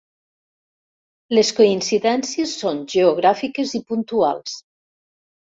Les coincidències són geogràfiques i puntuals.